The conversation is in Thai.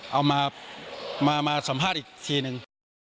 เอามาสัมภาษณ์อีกทีนึง